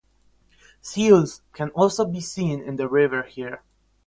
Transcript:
Seals can also be seen in the river here.